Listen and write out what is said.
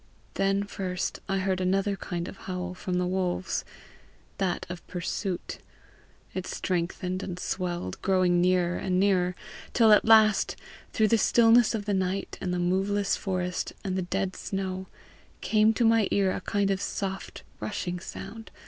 Then first I heard another kind of howl from the wolves that of pursuit. It strengthened and swelled, growing nearer and nearer, till at last, through the stillness of the night and the moveless forest and the dead snow, came to my ear a kind of soft rushing sound.